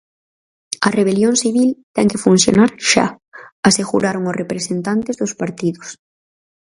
"A rebelión civil ten que funcionar xa", aseguraron os representantes dos partidos.